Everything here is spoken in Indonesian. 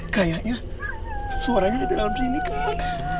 kayaknya suaranya dari dalam sini kak